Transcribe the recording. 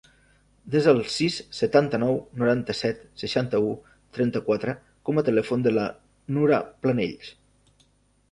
Desa el sis, setanta-nou, noranta-set, seixanta-u, trenta-quatre com a telèfon de la Nura Planells.